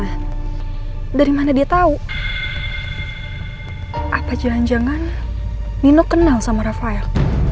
disana dari mana dia tahu apa jalan jalan nino kenal sama rafael